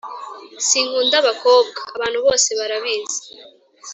sinkunda abakobwa abantu bose barabizi